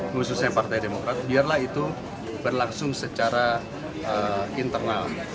khususnya partai demokrat biarlah itu berlangsung secara internal